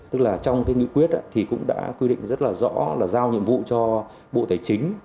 tức là trong cái nghị quyết thì cũng đã quy định rất là rõ là giao nhiệm vụ cho bộ tài chính